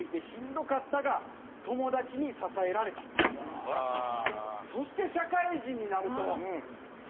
素晴らしいね。